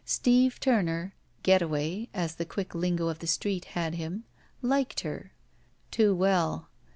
Steve Turner — "Getaway," as the quick lingo of the street had him — ^liked her. Too well.